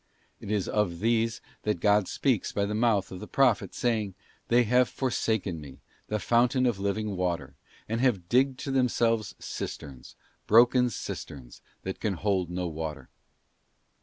It is of these that God speaks by the mouth of the Prophet, saying, ' They have forsaken Me, the fountain of living water, and have digged to themselves cisterns, broken cisterns, that can hold no water.